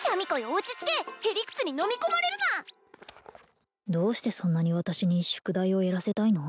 落ち着けヘリクツに飲み込まれるなどうしてそんなに私に宿題をやらせたいの？